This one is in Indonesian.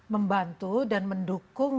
membantu dan mendukung